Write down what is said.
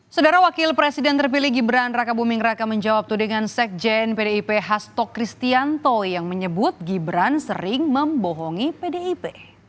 saudara wakil presiden terpilih gibran raka buming raka menjawab itu dengan sekjen pdip hasto kristianto yang menyebut gibran sering membohongi pdip